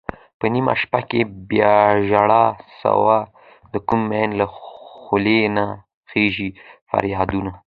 په نېمه شپه کې بياژړا سوه دکوم مين له خولې نه خيژي فريادونه